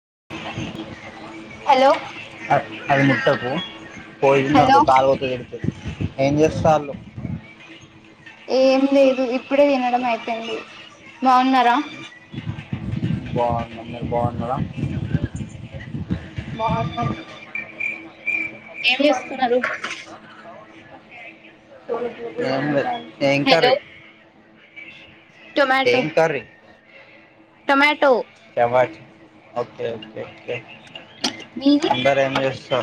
[inaudible] Hello అద్ అది ముట్టకు హలో పోయిందనకో కాలు వొతది ఎడితే. ఏం జేస్తాల్లు. ఎమ్ లేదు, ఇప్పుడే వినడం అయితుంది బాగున్నారా. బాగున్నా మీరు బాగున్నారా. బావున్నాం. [inaudible] ఎమ్ లేదు ఏంక హలో కర్రీ. ఎం కర్రీ. టమాటో. టమాచ్ ఓకే ఓకే కే. మీది అందరేమ్ జెస్తా.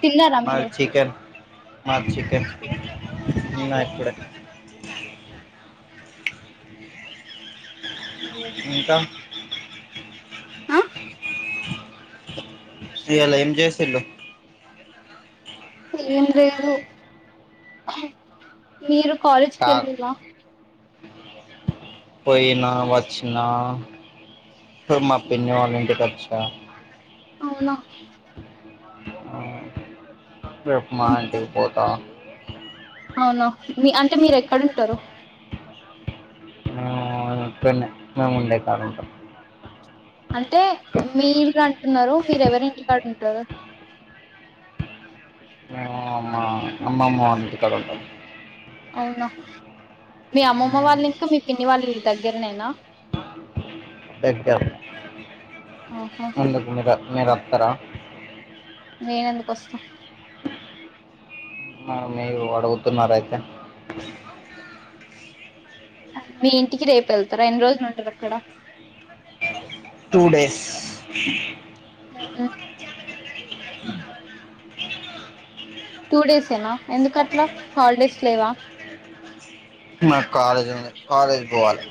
తిన్నారా మీరు. మాది చికెన్ తిన్న అవునా ఇప్పుడే. ఇంకా. ఆ ఇయ్యాల ఎమ్ జేసిల్లు. ఏం లేదు మీరు. కాలేజ్కి కా కెలిల్లా. పోయినా వచ్చిన. ఇప్పుడు మా పిన్ని వాళ్ళ ఇంటికచ్చా. అవునా. ఆ. రేపు మార్నింగ్ పోత. అవునా మీ అంటే మీరు ఎక్కడుంటారు ఆ ఇకన్నే మేము ఉండేకాడ ఉంటాం. అంటే మీ ఇల్లు అంటున్నారు మీరెవరి ఇంటికాడ ఉం. తరత్. మేము మా అమ్మమ్మ వాళ్ల ఇంటికాడ ఉంటాం. అవునా మీ అమ్మమ్మ వాళ్ళు ఇంకా మీ పిన్ని వాళ్ళ ఇల్లు దగ్గరనేనా. దగ్గ ఆహా ఎందుకు మీర మీర. అత్తర. నేనెందుకు ఓస్తా. అ మీరు అడుగుతున్నారయితే. మీ ఇంటికి రేపు ఏళ్తారా ఎన్ని రోజులు ఉంటారు అక్కడ. Two days. టూ డేసేనా. నాకు కాలేజ్ ఉంది కాలేజి బోవాలే.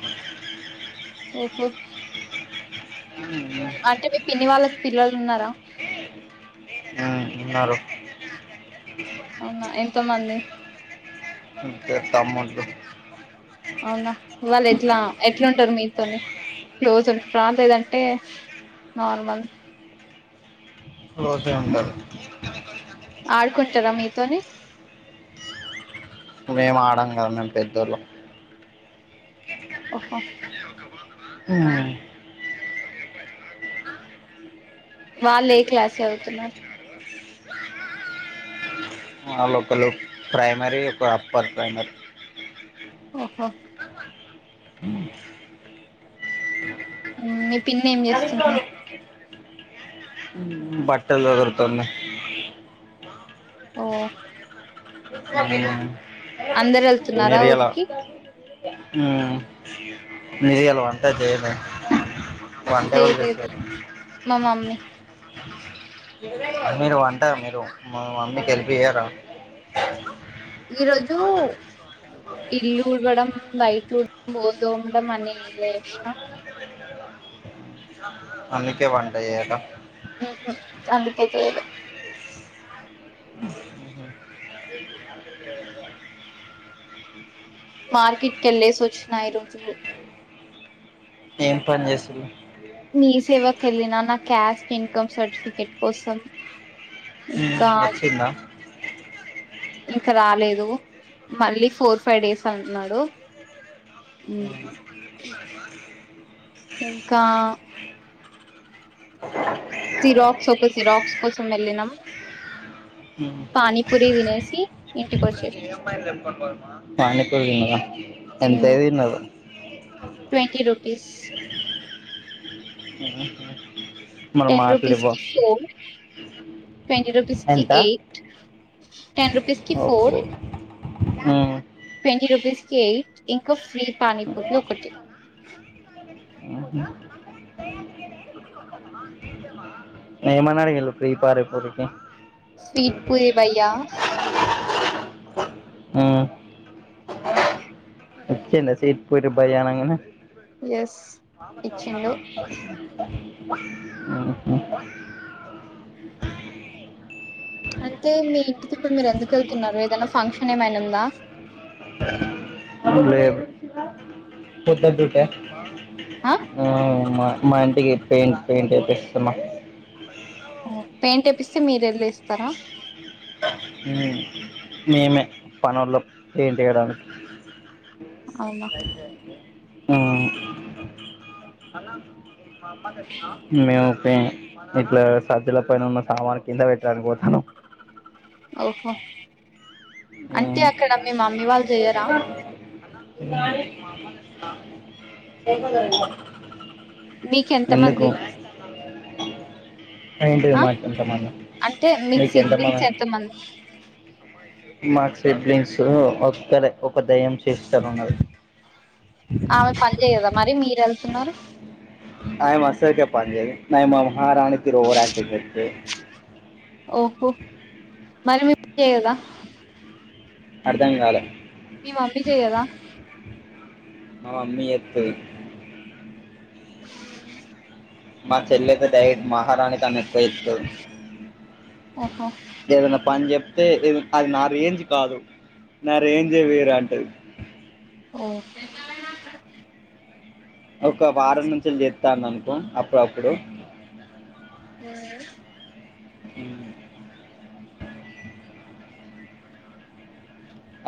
ఓహో. అంటే మీ పిన్ని వాళ్లక్ పిల్లలు ఉన్నారా. అ ఉన్నారు. అవునా ఎంతమంది. ఇద్దరు తమ్ముల్లు. అవునా వాళ్లు ఎట్లా ఎట్లుంటారు మీతోని క్లోజ్ ఉంటా లేదంటే. నార్మల్. క్లోజే ఉంటారు. ఆడుకుంటారా మీతోని. మేము ఆడం గదా మేము పెద్దోళ్ళం. ఓహో. ఉమ్. వాళ్లు ఏ క్లాస్ చదువుతున్నారు. వాళ్లు ఒకరు ప్రైమరీ ఒకరు అప్పర్ ప్రైమరీ ఓహో ఫోన్ రింగ్ సౌండ్ ఉ మీ పిన్ని ఏం చేస్తుంది బట్టలు సదురుతుంది ఓ అందరు వెళ్తున్నారా మీరు ఇయ్యాల ఊరికి ఉ మీరు ఇయ్యాల వంట చేయలే వంట ఎవరు చేయలేదు చేస్తారు మా మమ్మీ మీరు వంట మీరు మీ మమ్మీకి హెల్ప్ చేయరా ఈరోజు ఇల్లు ఊడువడం బయట ఊడువడం బోలు తోమడం అన్నీ నేనే చేసిన అందుకే వంట చేయలే ఉ హు అందుకే చేయలే నవ్వు సౌండ్ మార్కెట్ కి ఎళ్లేసి వచ్చిన ఈరోజు ఏం పని చేస్తురు మీ సేవకు వెళ్లినా నా క్యాస్ట్ ఇన్కమ్ సర్టిఫికేట్ కోసం ఏ ఇంకా వచ్చిందా ఇంకా రాలేదు మళ్లీ ఫోర్ ఫైవ్ డేస్ అంటున్నాడు టీవీ చూడడం ఇంకా ట్రైన్ సౌండ్ జీరాక్స్ ఒక ఒక జీరాక్స్ కోసం వెళ్లినం పానీ పూరి తినేసి ఇంటికి వచ్చేసి పానీ పూరి తిన్నరా ఎంతయి తిన్నరు ట్వంటీ రుపీస్ నవ్వు సౌండ్ టెన్ రుపీస్ కి ఫోర్ ట్వంటీ రుపీస్ కి ఎంత ఎయిట్ టెన్ రుపీస్కి ఫోర్ ఓహో ఉమ్, ట్వంటీ రూపీస్ కే ఎయిట్ ఇంకా ఫ్రీ పానీపూతి ఒకటి ఉ హు ఏమని అడిగిండ్రు ఫ్రీ పానీపూరికి స్వీట్ పూరి భయ్యా ఉ స్వీట్ పూరి బయ్యానంగానే ఇచ్చిండా ఎస్ మామ ఇచ్చిండు చెబుతాన ఉ హు అంటే మీ ఇంటికి ఇప్పుడు మీరు ఎందుకు వెళ్తున్నారు ఏదైనా ఫంక్షన్ ఏమైనా ఉందా టీవీ సౌండ్ అ పద్ద బట ఆ మా మా ఇంటికి పెయింట్ పెయింట్ అయిప్పస్తామా పెయింట్ ఏపిస్తే మీరు వెళ్ళ ఇస్తారా మేమే పనుల్లో ఏపియడం అవునా సర్ప్రైజ్ అంటే ఆ అన్న మేము ఇట్లా సజ్జల పైన ఉన్న సామాన్ కింద పెట్టడానికి పోతాను ఓహో అంటే ఉమ్ అక్కడ మేము మమ్మీ వాళ్ళు చెయ్యరా మా అమ్మ చేస్తది మీకు ఎంత మంది ఏంటి ఆ మా ఎంతమంది మీకు ఎంత మంది మా స్డ్లింగ్స్ ఒక్క ఒక దయ్యం చేస్తాను ఉన్నారు ఆమె పని చేయదా మరి మీరు వెళ్తున్నారు నాయమవస్తదిగ పన్ చేయదు నయ మా మహారాణి తిరు రా ఓహో మరి మీర్ చేయదా అర్థం కాలె మీ మమ్మి చె్యదా మ మమ్మీ చేత్తది మా చెల్లైతే డైట్ మహారాణి తని ఎక్కువ ఎత్తు ఓహో ఏదన్న పన్ జెబ్ తే అది నా రేంజ్ కాదు నా రేంజే వేరు అంటది ఉ ఒక వారం నుంచి చెప్తాను అనుకో అప్పుడప్పుడు ఉమ్ అ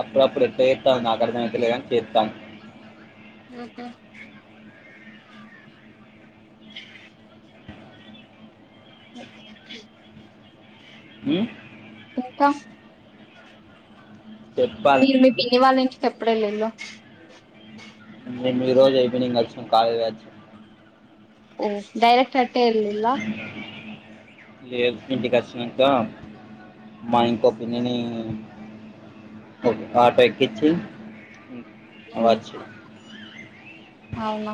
అప్పుడప్పుడు ఎట్ట చెత్తా నాకర్థమై తె గాని చేత్తా ఆహా ఉమ్, ఇంక చెప్పాలి మీరు మీ పిన్ని వాళ్ళంటికి చెప్పుడేల్లేలో నేను ఈ రోజు ఈవినింగ్ కలిసాం కాళ వచ్చి మ్ డైరెక్ట్ రట్టే ఎర్లిల్ల లేద్ ఇంటి కొచ్చి నాంక మ ఇంకో పిన్నిని ఓక్ ఆటో ఎక్కించి వచ్చినాం అవున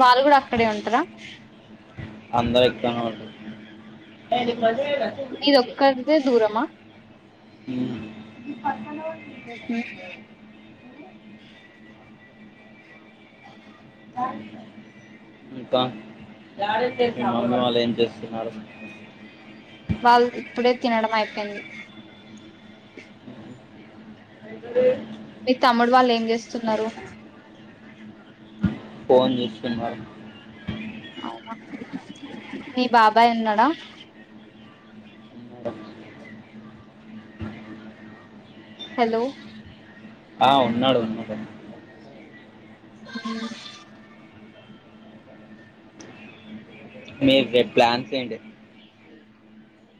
వాళ్ళు కూడ అక్కడే ఉంటార అందరు ఒకతానె ఉంటరు మీదొక్కరిదే దూరమా ఉ ఊహు ద ఇంక మి మమ్మీ వాళ్ళు ఏం చేస్తున్నారు వాళ్ ది ఇప్పుడే తినడం అయిపోయింది అతే మీ తమ్ముడు వాళ్ళు ఏం చేస్తున్నారు ఫోన్ చూస్తున్నారు అవున మీ బాబాయ్ ఉన్నాడా ఉన్నారండి హెలో ఆ ఉన్నాడు ఉన్నాడు అ మీర్ రేప్ ప్లాన్స్ ఏంటి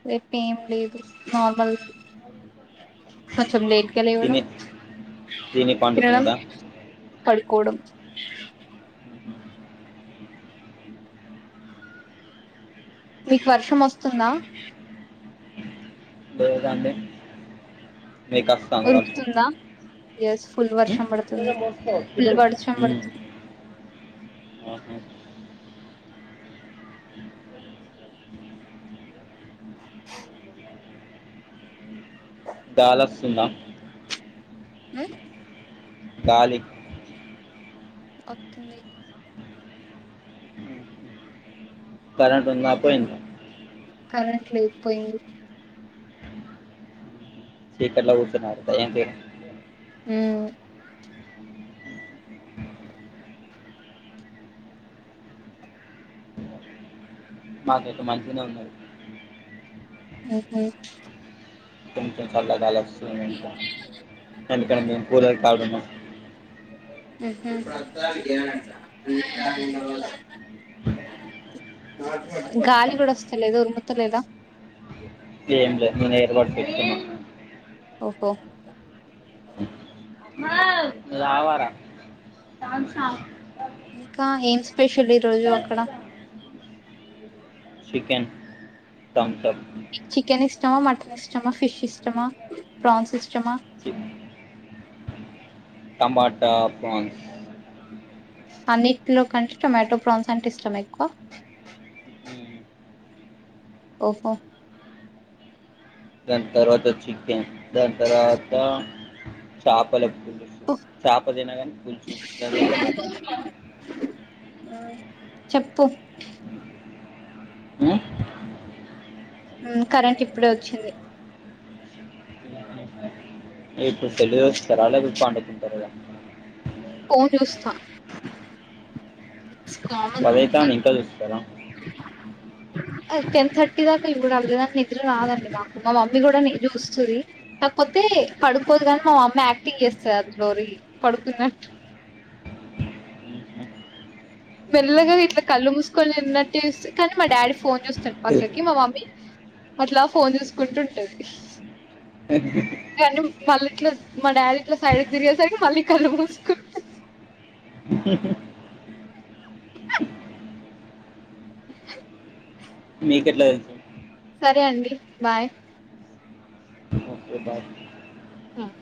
రేప్ ఏం లేదు నార్మల్గ కొంచెం లేట్ గ లేవడం తిని తిని తినడం పండుకున్నాడా పడుకోవడం మీకు వర్షం వస్తుంద లేదండి మీ కస్త వర్ష ఉరుకుతుందా ఎస్ ఫుల్ వర్షం పడుతుంది ఫుల్ వర్షం మ్ ఉ పడుతుంది ఆహ గాలోస్తుందా ఉమ్ గాలి వస్తుంది కరెంట్ ఉంద పోయింద కరెంట్ లేద్ పోయింది చీకట్లా కూసున్నరూ ఏం చెయ్యలే హ్మ్ మాకైతే మంచిగనే ఉన్నది హ్మ్ హు కొంచెం చల్ల గాలి వస్తుంది అందుకనే [unintelligible] హ్మ్ హు గాలి కూడా వస్తా లేదు ఉరుముత లేదా ఏం లేదు నేను ఏర్పాటు ఎయిర్ బర్డ్స్ తెచ్చుకున్న ఓహో లావర ఇంకా ఏం స్పెషల్ ఈ రోజు అక్కడ చికెన్ థంబ్స్ అప్ చికెన్ ఇష్టమా మటన్ ఇష్టమా ఫిష్ ఇష్టమా ప్రాన్స్ ఇష్టమా టమాటా ఫ్రాన్స్ అన్నింటిలో కంటే టొమాటో ప్రాన్స్ అంటే ఇష్టం ఎక్కువ ఓహో దాని తర్వాత చికెన్ దాని తర్వాత చాపలకు ఉహ్, చాప తినకానీ పుల్సు దాని తర్వాత మట్టన్ ఆ చెప్పు మ్మ్ మ్మ్ కరెంట్ ఇప్పుడే వచ్చింది ఇప్పుడు సెల్లు చూస్తారా లేకపోతే పండుకుంటార కదా ఫోన్ చూస్తా కామన్ పదైతంది ఇంకా చూస్తారా టెన్ థర్టీ దాకా ఇవి కూడా అవలేదానికి నిద్ర రాదండి మాకు మా మమ్మీ కూడా చూస్తుంది కాకపోతే తే పడుకోదు కానీ మా మమ్మీ యాక్టింగ్ చేస్తారు [unintelligible] పడుకున్నట్టు ఉమ్, మెల్లగా ఇట్ల కళ్ళు మూసుకొని ఉన్నట్టు చేస్ కానీ మా డాడీ ఫోన్ చూస్తాడు పక్కకి మా మమ్మీ అట్లా ఫోన్ చూసుకుంటుంటది కానీ మళ్ళీ ఇట్ల మా డాడీ ఇట్ల సైడ్కి తిరిగేసరికి మళ్ళీ కళ్ళు మూసుకుంట హ్మ్ హు మీకు ఎట్ల తెలుసు సరే అండి బాయ్ ఓకే బాయ్ మ్మ్